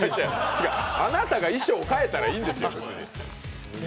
違う、違う、あなたが衣装変えたらいいんですよ、普通に。